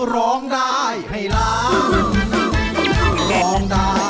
ร้องได้ให้ล้าน